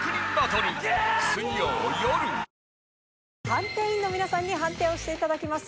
判定員の皆さんに判定をしていただきます。